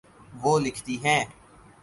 وہ لکھتی ہیں